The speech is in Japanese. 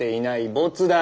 ボツだ。